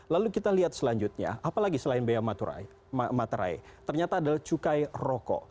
lalu kita lihat selanjutnya apalagi selain bea materai ternyata adalah cukai rokok